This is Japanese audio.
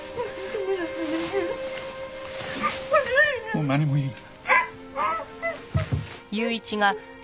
もう何も言うな。